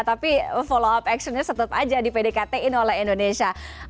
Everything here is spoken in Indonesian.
tapi follow up actionnya tetap aja di pdktin oleh indonesia